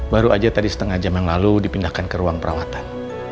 baru aja tadi setengah jam yang lalu dipindahkan ke ruang perawatan